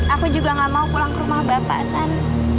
aku juga gak mau pulang ke rumah bapak san